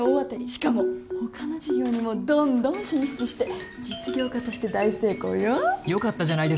しかも他の事業にもどんどん進出して実業家として大成功よ。よかったじゃないですか。